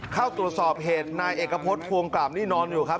เข้าตรวจสอบเหตุนายเอกพฤษภวงกลับนี่นอนอยู่ครับ